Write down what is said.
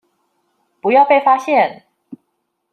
不要被發現